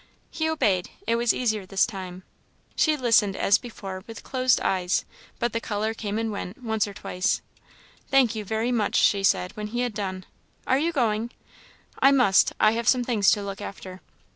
He obeyed. It was easier this time. She listened, as before, with closed eyes, but the colour came and went, once or twice. "Thank you, very much," she said, when he had done. "Are you going?" "I must; I have some things to look after."